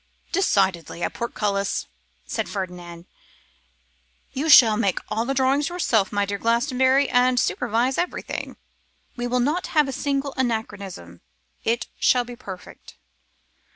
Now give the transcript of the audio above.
'Decidedly, a portcullis,' said Ferdinand; 'you shall make all the drawings yourself, my dear Glastonbury, and supervise everything. We will not have a single anachronism. It shall be perfect.